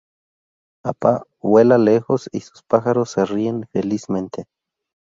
Appa vuela lejos, y sus pasajeros se ríen felizmente.